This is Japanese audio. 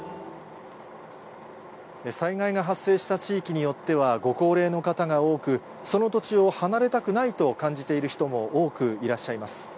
災害が発生した地域によっては、ご高齢の方が多く、その土地を離れたくないと感じている人も多くいらっしゃいます。